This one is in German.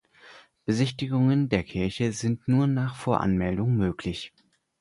Besichtigungen der Kirche sind nur nach Voranmeldung möglich.